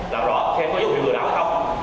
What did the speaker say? làm rõ xem có dấu hiệu lừa đảo hay không